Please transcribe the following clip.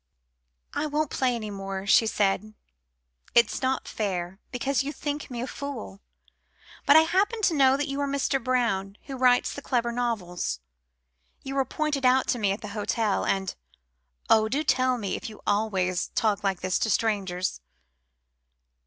"I won't play any more," she said. "It's not fair. Because you may think me a fool. But I happen to know that you are Mr. Brown, who writes the clever novels. You were pointed out to me at the hotel; and oh! do tell me if you always talk like this to strangers?"